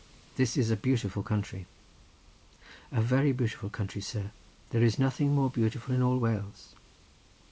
This is a beautiful country." "A very beautiful country, sir; there is none more beautiful in all Wales."